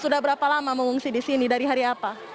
sudah berapa lama mengungsi di sini dari hari apa